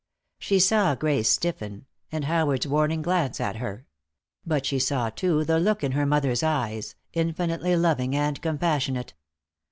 She saw Grace stiffen, and Howard's warning glance at her. But she saw, too, the look in her mother's eyes, infinitely loving and compassionate.